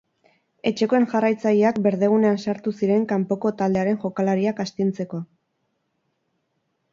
Etxekoen jarraitzaileak berdegunean sartu ziren kanpoko taldearen jokalariak astintzeko.